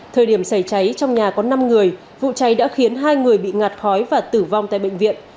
thời điểm xảy cháy trong nhà có năm người vụ cháy đã khiến hai người bị ngạt khói và tử vong tại bệnh viện